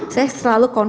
saya selalu konsultasi